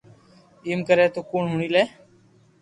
ايم ڪري تو ڪوڻ ھوڻي لي